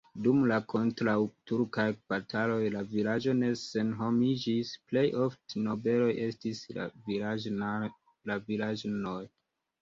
Dum la kontraŭturkaj bataloj la vilaĝo ne senhomiĝis, plej ofte nobeloj estis la vilaĝanoj.